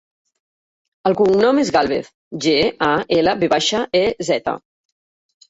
El cognom és Galvez: ge, a, ela, ve baixa, e, zeta.